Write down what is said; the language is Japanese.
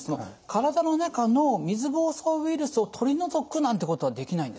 体の中の水ぼうそうウイルスを取り除くなんてことはできないんですか？